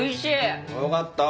よかった。